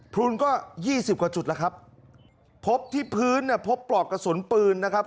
พลุนก็ยี่สิบกว่าจุดแล้วครับพบที่พื้นเนี่ยพบปลอกกระสุนปืนนะครับ